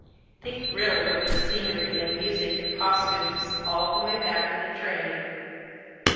They thrilled over the scenery and music and costumes all the way back in the train.